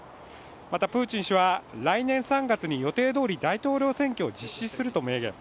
またプーチン氏は来年３月に予定どおり大統領選挙を実施すると明言。